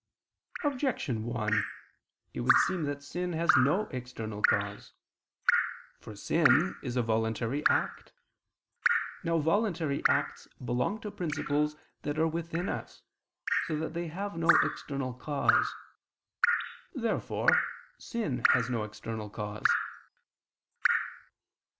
Objection 1: It would seem that sin has no external cause. For sin is a voluntary act. Now voluntary acts belong to principles that are within us, so that they have no external cause. Therefore sin has no external cause.